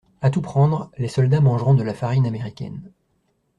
A tout prendre, les soldats mangeront de la farine américaine.